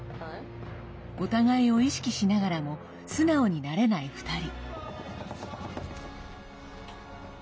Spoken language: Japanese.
お互いを意識しながらも素直になれない２人。